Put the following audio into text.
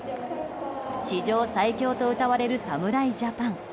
史上最強とうたわれる侍ジャパン。